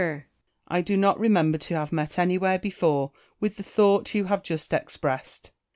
Marcus. I do not remember to have met anywhere before with the thought you have just expressed.